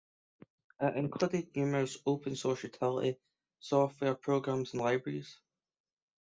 It included numerous open source utility software programs and libraries.